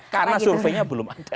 karena surveinya belum ada